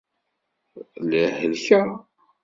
Lliɣ helkeɣ.